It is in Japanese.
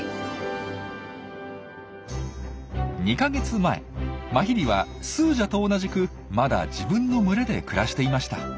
２か月前マヒリはスージャと同じくまだ自分の群れで暮らしていました。